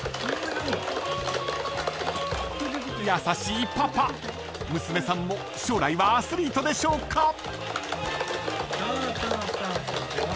［優しいパパ娘さんも将来はアスリートでしょうか］